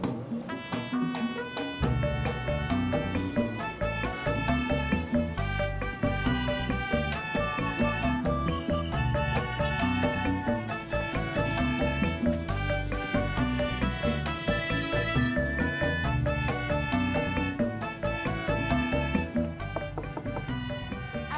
surrendissa jadi orang baru